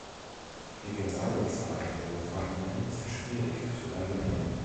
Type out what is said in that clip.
Die genaue Zahl der Gefangenen ist schwierig zu ermitteln.